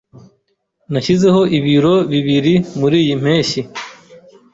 Nashyizeho ibiro bibiri muriyi mpeshyi.